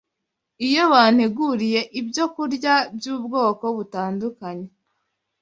Iyo banteguriye ibyokurya by’ubwoko butandukanye